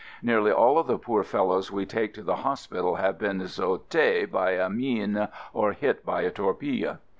Nearly all of the poor fellows we take to the hospi tal have been "saute "by a mine or hit by a torpille.